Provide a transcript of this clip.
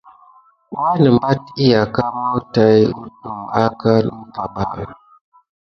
Wanəmbat əyaka mawu tat kudume aka umpay ba.